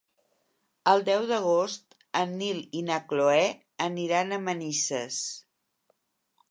El deu d'agost en Nil i na Cloè aniran a Manises.